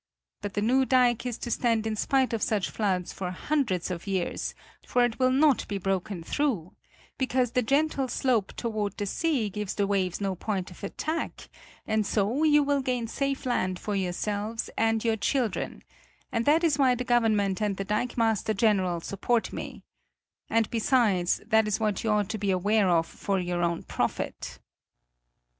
But the new dike is to stand in spite of such floods for hundreds of years; for it will not be broken through; because the gentle slope toward the sea gives the waves no point of attack, and so you will gain safe land for yourselves and your children, and that is why the government and the dikemaster general support me and, besides, that is what you ought to be aware of for your own profit."